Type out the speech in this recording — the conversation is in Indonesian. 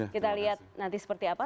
kita lihat nanti seperti apa